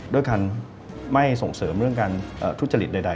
ด้วยการไม่ส่งเสริมเรื่องการทุจริตใด